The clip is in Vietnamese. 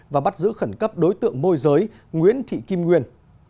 và bắt giữ khẩn cấp đối tượng môi giới nguyễn thị kim nguyên